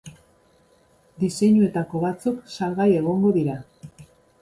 Diseinuetako batzuk salgai egongo dira.